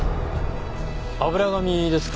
油紙ですか？